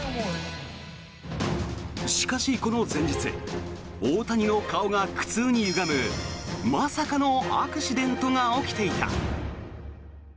しかし、この前日大谷の顔が苦痛にゆがむまさかのアクシデントが起きていた。